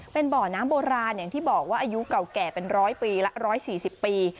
เป็นบ่อน้ำโบราณอย่างที่บอกว่าอายุเก่าแก่เป็นร้อยปีละ๑๔๐ปี